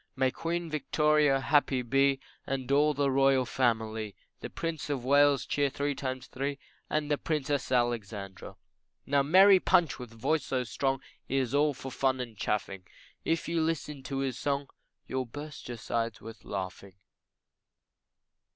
May Queen Victoria happy be, And all the royal family, The Prince of Wales, cheer three times three And the Princess Alexandra. Now merry Punch with voice so strong, He is all for fun and chaffing, If you listen to his song You'll burst your sides with laughing.